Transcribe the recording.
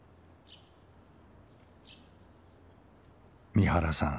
三原さん